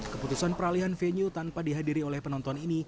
keputusan peralihan venue tanpa dihadiri oleh penonton ini